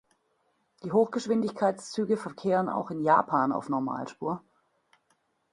Die Hochgeschwindigkeitszüge verkehren auch in Japan auf Normalspur.